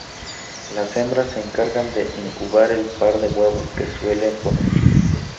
Las hembras se encargan de incubar el par de huevos que suelen poner.